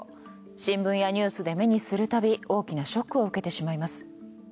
新聞やニュースで目にするたび大きなショックを受けてしまいます。